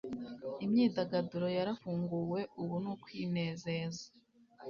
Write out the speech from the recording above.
Imyidagaduro yarafunguwe ubu nukwinezeza